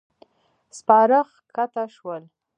سپاره کښته شول.